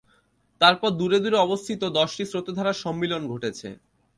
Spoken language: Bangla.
তারপর দূরে দূরে অবস্থিত দশটি স্রোতধারার সম্মিলন ঘটেছে।